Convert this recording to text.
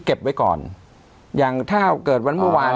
เก็บไว้ก่อนอย่างถ้าเกิดวันเมื่อวาน